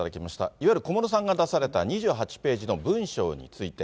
いわゆる小室さんが出された２８ページの文書について。